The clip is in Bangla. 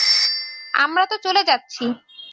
আমরা তো চলে যাচ্ছি।